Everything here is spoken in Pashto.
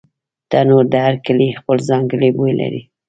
تنور د هر کلي خپل ځانګړی بوی لري